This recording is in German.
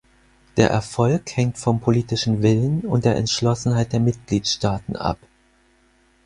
Der Erfolg hängt vom politischen Willen und der Entschlossenheit der Mitgliedstaaten ab.